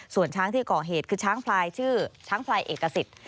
ส่วนช้างที่ก่อเหตุคือช้างพลายชื่อช้างพลายเอกสิทธิ์